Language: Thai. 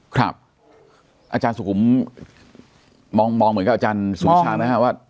อาจารย์สุขุมมองเหมือนกับอาจารย์สุวิชาไหมครับว่า